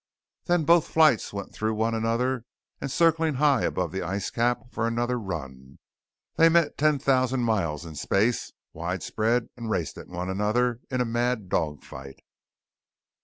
Then both flights were through one another and circling high above the ice cap for another run. They met ten thousand miles in space, wide spread and raced at one another in a mad dog fight.